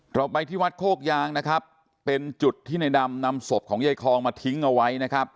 ต่อไปที่วัดโคกยางเป็นจุดที่ในดำนำศพของเย้ยคลองมาทิ้งเอาไว้